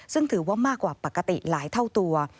ซึ่งถือว่ามากกว่าปกติหลายเท่าตัว